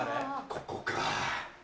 ここか。